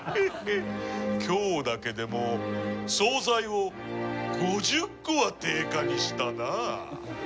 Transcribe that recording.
今日だけでも総菜を５０個は定価にしたな。